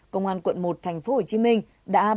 công an quận một tp hcm đã bắt